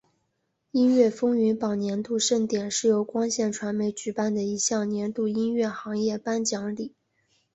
音乐风云榜年度盛典是由光线传媒举办的一项年度音乐行业颁奖礼。